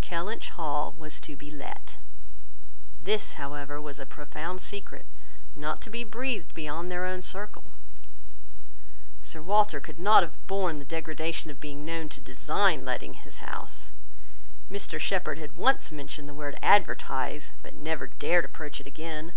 Kellynch Hall was to be let. This, however, was a profound secret, not to be breathed beyond their own circle. Sir Walter could not have borne the degradation of being known to design letting his house. Mr Shepherd had once mentioned the word "advertise," but never dared approach it again.